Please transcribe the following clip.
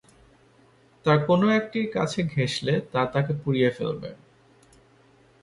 তার কোন একটির কাছে ঘেষলে তা তাকে পুড়িয়ে ফেলবে।